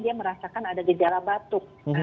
dia merasakan ada gejala batuk